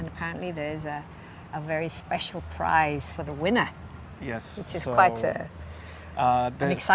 dan ternyata ada harga yang sangat istimewa untuk pemenangnya